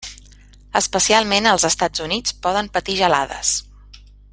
Especialment als Estats Units poden patir gelades.